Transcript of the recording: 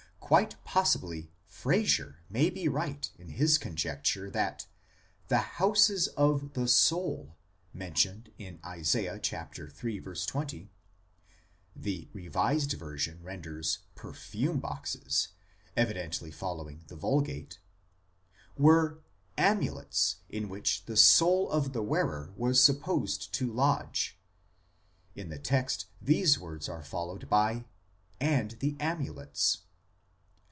2 Quite possibly Frazer may be right in his conjecture that " the houses of the soul " mentioned in Isa. iii. 20 (the R.V. renders " perfume boxes," evidently following the Vulgate) were " amulets in which the soul of the wearer was supposed to lodge "; in the text these words are followed by " and the amulets."